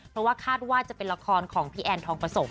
เพราะว่าคาดว่าจะเป็นละครของพี่แอนทองประสม